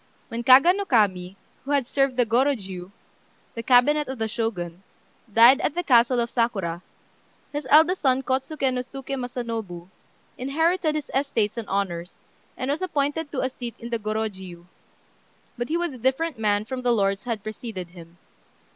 When Kaga no Kami, who had served in the Gorôjiu, the cabinet of the Shogun, died at the castle of Sakura, his eldest son Kôtsuké no Suké Masanobu inherited his estates and honours, and was appointed to a seat in the Gorôjiu; but he was a different man from the lords who had preceded him.